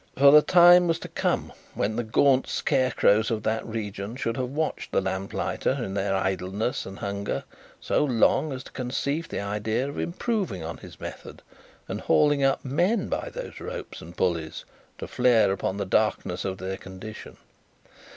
For, the time was to come, when the gaunt scarecrows of that region should have watched the lamplighter, in their idleness and hunger, so long, as to conceive the idea of improving on his method, and hauling up men by those ropes and pulleys, to flare upon the darkness of their condition.